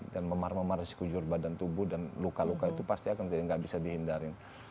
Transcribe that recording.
dan memar memar resiko jurur badan tubuh dan luka luka itu pasti akan jadi tidak bisa dihindari